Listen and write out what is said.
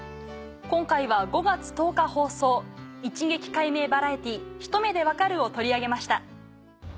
今回は５月１０日放送『一撃解明バラエティひと目でわかる‼』を取り上げました。